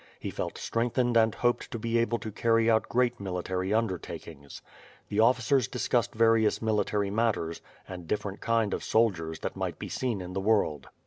He felt strengthened and hoped to be able to carry out great military undertakings. The officers discussed various mili tary matters and the different kind of soldiers that might be seen in the world.